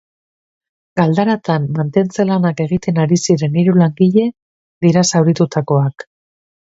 Galdaratan mantentze-lanak egiten ari ziren hiru langile dira zauritutakoak.